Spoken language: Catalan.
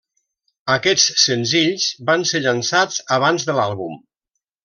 Aquests senzills van ser llançats abans de l'àlbum.